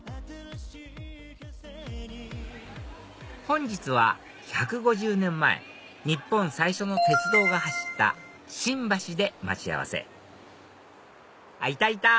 本日は１５０年前日本最初の鉄道が走った新橋で待ち合わせいたいた！